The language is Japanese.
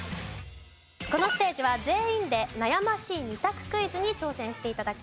このステージは全員で悩ましい２択クイズに挑戦して頂きます。